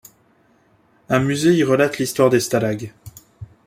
Un musée y relate l'histoire des Stalag.